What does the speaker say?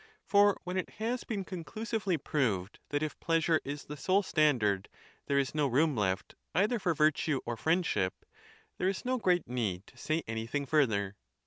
Not tni. For when it has been conclusively pi^oved that if JJjfi^J^ pleasure is the sole standard there is no room lefl h^ppy. i either for virtue or friendship, there is no great need Good; to say anything fiirther.